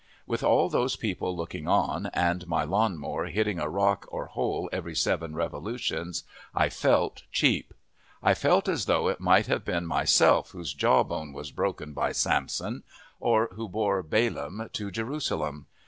With all those people looking on and my lawn mower hitting a rock or a hole every seven revolutions, I felt cheap. I felt as though it might have been myself whose jawbone was broken by Samson, or who bore Balaam to Jerusalem.